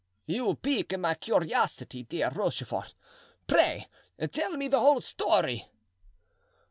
"You pique my curiosity, dear Rochefort; pray tell me the whole story."